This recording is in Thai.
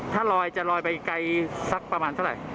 ถ้าลอยจะลอยไปไกลสักประมาณเท่าไหร่